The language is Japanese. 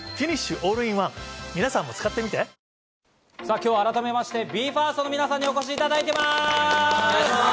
今日はＢＥ：ＦＩＲＳＴの皆さんにお越しいただいています。